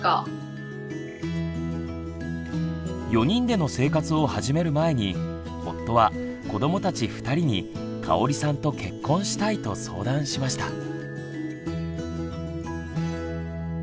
４人での生活を始める前に夫は子どもたち２人にかおりさんと結婚したいと相談しました。